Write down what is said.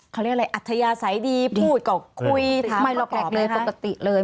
เขาเรียกอะไรอัธยาศัยดีพูดก็คุยถามไม่หลอกเลยปกติเลย